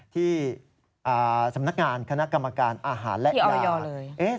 ที่สำนักงานคณะกรรมการอาหารและยาเลย